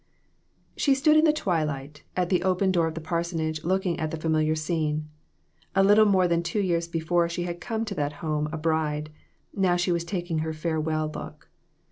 SHE stood in the twilight at the open door of the parsonage looking at the familiar scene. A little more than two years before she had come to that home a bride. Now she was taking her farewell look.